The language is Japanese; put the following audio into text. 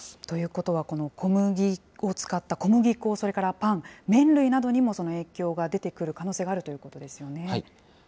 ということは、この小麦を使った小麦粉、それからパン、麺類などにもその影響が出てくる可能性があるということですよね。